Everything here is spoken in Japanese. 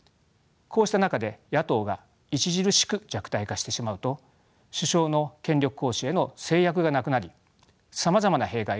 こうした中で野党が著しく弱体化してしまうと首相の権力行使への制約がなくなりさまざまな弊害が生じかねません。